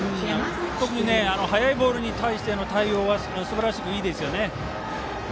特に速いボールに対しての対応はすばらしくいいですよね。